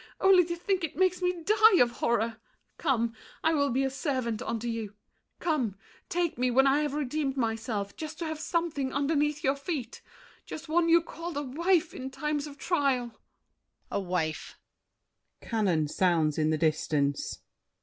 Only to think it makes me die of horror! Come! I will be a servant unto you. Come! Take me, when I have redeemed myself, Just to have something underneath your feet. The one you called "a wife" in times of trial— DIDIER. A wife! [Cannon sounds in the distance.